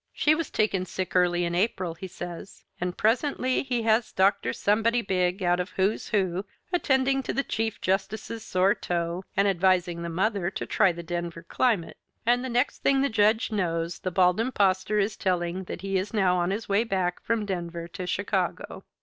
"She was taken sick early in April," he says, and presently he has Dr. Somebody Big out of "Who's Who" attending to the Chief Justice's sore toe and advising the mother to try the Denver climate. And the next thing the Judge knows the Bald Impostor is telling that he is now on his way back from Denver to Chicago.